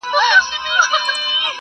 مګر اوس نوی دور نوی فکر نوی افغان،